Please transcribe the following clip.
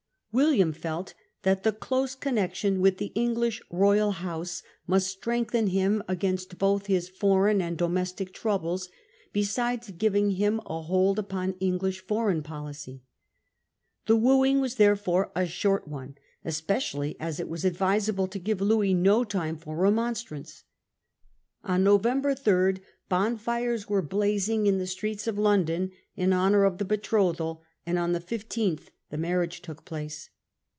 William felt that the close connection with the English royal house must strengthen him against both his foreign and domestic troubles, besides giving him a hold upon English foreign policy. The wooing was therefore a short one, especially as it was advisable to give Louis no time for remonstrance. On November 3 bonfires were blazing in the streets of London in honour of the betrothal, and on the 15th the marriage took place.